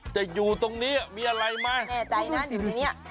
จะอยู่ตรงนี้มีอะไรไหมแน่ใจนะอยู่ตรงนี้